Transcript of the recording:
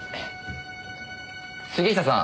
杉下さん。